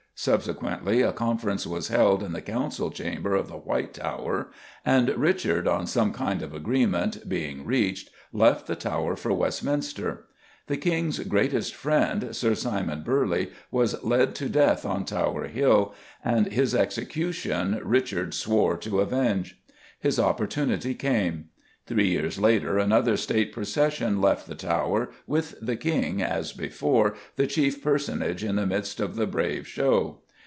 Subsequently, a conference was held in the Council Chamber of the White Tower, and Richard, on some kind of agreement being reached, left the Tower for Westminster. The King's greatest friend, Sir Simon Burley, was led to death on Tower Hill and his execution Richard swore to avenge. His opportunity came. Three years later another State procession left the Tower, with the King, as before, the chief personage in the midst of the brave show.